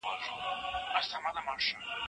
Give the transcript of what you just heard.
موږ د علمي میتودونو په اړه بحث کوو.